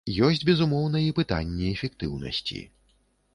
Ёсць, безумоўна, і пытанні эфектыўнасці.